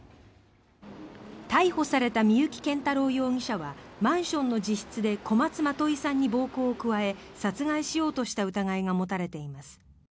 逮捕された三幸謙太郎容疑者はマンションの自室で小松まといさんに暴行を加え殺害しようとした疑いが持たれています。